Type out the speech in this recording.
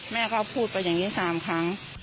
แม่ก็พูดไปอย่างนี้๓ครั้ง